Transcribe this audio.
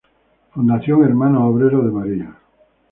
Fundación Hermanos Obreros de María.